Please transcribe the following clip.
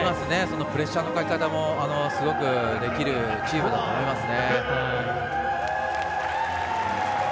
プレッシャーのかけ方もすごくできるチームだと思いますね。